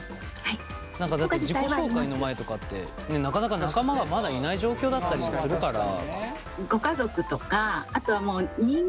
何かだって自己紹介の前とかってなかなか仲間がまだいない状況だったりもするから。